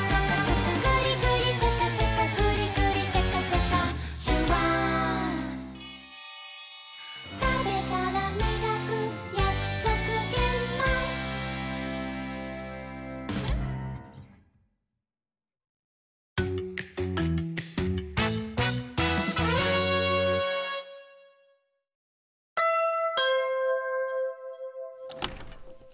「グリグリシャカシャカグリグリシャカシャカ」「シュワー」「たべたらみがくやくそくげんまん」ピンポン。